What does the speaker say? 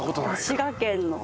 滋賀県の。